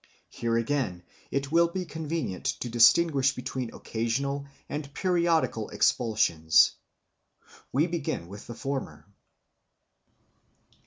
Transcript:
Here, again, it will be convenient to distinguish between occasional and periodical expulsions. We begin with the former.